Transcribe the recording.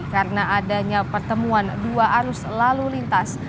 karena adanya pertemuan dua arus lalu lintas